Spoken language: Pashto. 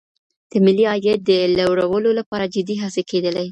د ملي عاید د لوړولو لپاره جدي هڅي کیدلې.